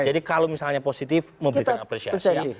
jadi kalau misalnya positif memberikan apresiasi